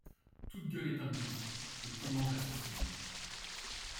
Toute gueule est un gouffre, et qui mange assassine.